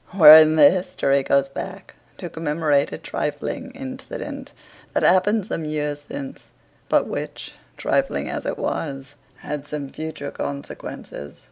Wherein the history goes back to commemorate a trifling incident that happened some years since; but which, trifling as it was, had some future consequences.